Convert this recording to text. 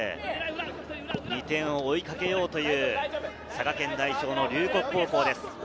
２点を追いかける佐賀県代表の龍谷高校です。